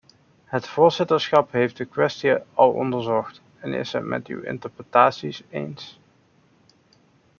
Het voorzitterschap heeft de kwestie al onderzocht en is het met uw interpretatie eens.